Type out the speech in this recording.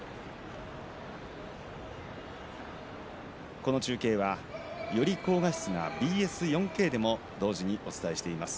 この中継は、より高画質なＢＳ４Ｋでも同時にお伝えしています。